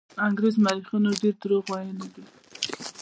انګرېز مورخینو ډېر دروغ ویلي دي.